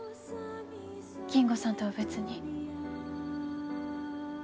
金吾さんとは別に。